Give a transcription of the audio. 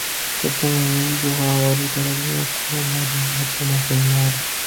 Septemba nyumbu hao walitarajiwa kuwa bado wapo Maasai Mara